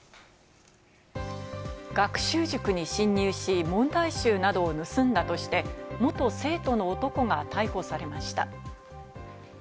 学習塾に侵入し、問題集などを盗んだとして、元生徒の男が逮捕されました。